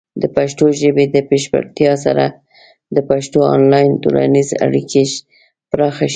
د پښتو ژبې د بشپړتیا سره، د پښتنو آنلاین ټولنیزې اړیکې پراخه شي.